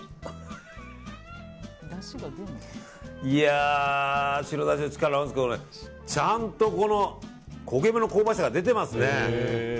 いやー、白だしの力もですけどちゃんと、この焦げ目の香ばしさが出てますね。